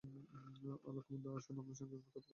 অবলাকান্তবাবু, আসুন, আপনার সঙ্গে অনেক কথা বলবার আছে।